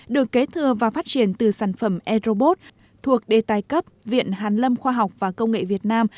được kế thừa và phát triển từ sản phẩm e robot thuộc đề tài cấp viện hàn lâm khoa học và công nghệ việt nam